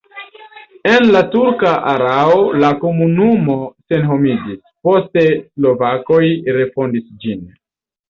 En la turka erao la komunumo senhomiĝis, poste slovakoj refondis ĝin.